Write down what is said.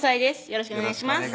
よろしくお願いします